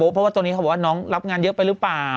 เพราะว่าตอนนี้เขาบอกว่าน้องรับงานเยอะไปหรือเปล่า